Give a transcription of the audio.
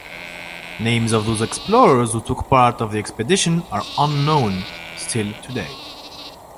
‘’Names of those explorers who took part of the expedition are unknow still today.’’